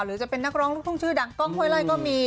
หรือจะเป็นนักร้องลูกทุ่งชื่อดังกล้องห้วยไล่ก็มี